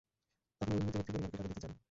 আপনি ওই মৃত ব্যক্তির পরিবারকে টাকা দিতে চান।